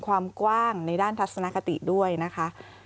ความกว้างในด้านทัศนคติด้วยนะคะ